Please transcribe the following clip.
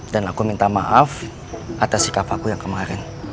dan aku minta maaf atas sikap aku yang kemarin